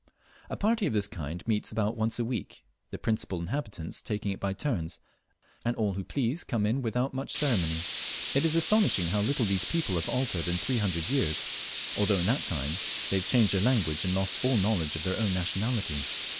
A party of this kind meets about once a week, the principal inhabitants taking it by turns, and all who please come in without much ceremony. It is astonishing how little these people have altered in three hundred years, although in that time they have changed their language and lost all knowledge of their own nationality.